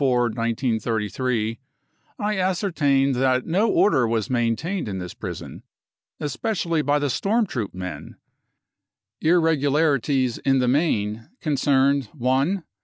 4.33 I ascertained that no order was maintained in this prison, especially by the storm troop men. Irregularities in the main concerned :" 1